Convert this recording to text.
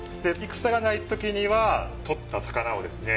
戦がない時には取った魚をですね